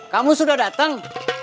kamu sudah datang